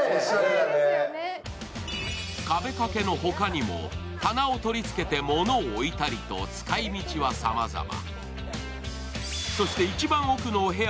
壁掛けのほかにも棚を取り付けてものを置いたりと使い道はさまざま。